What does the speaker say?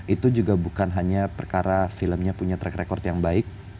itu juga bukan hanya perkara filmnya punya track record yang baik